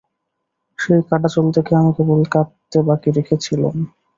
সেই কাটা চুল দেখে আমি কেবল কাঁদতে বাকি রেখেছিলুম।